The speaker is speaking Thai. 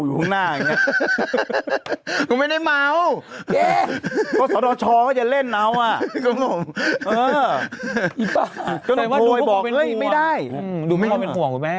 จะไม่ให้จับผิดได้อย่างไร